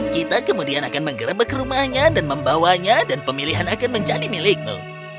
kita kemudian akan menggerebek rumahnya dan membawanya dan pemilihan akan menjadi milikmu